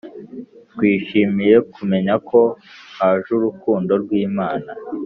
Twishimiye kumenya ko haj' urukundo rw'Imana.